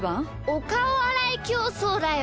おかおあらいきょうそうだよ。